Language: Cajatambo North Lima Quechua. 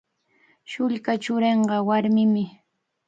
Shullka churinqa warmimi.